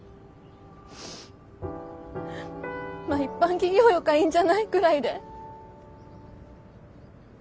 まっ一般企業よかいいんじゃない？くらいで。